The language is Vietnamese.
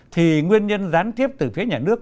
thì nguyên nhân gián tiếp từ phía nhà nước